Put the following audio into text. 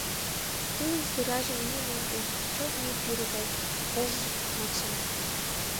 Тудын сыражым йӱын от тем — чылт мӱй пӱрӧ гай, рыж-ж маншан.